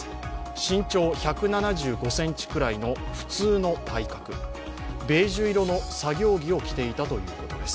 身長１７５ｃｍくらいの普通の体格、ベージュ色の作業着を着ていたということです。